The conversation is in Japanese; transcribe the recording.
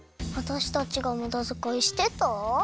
わたしたちがむだづかいしてた？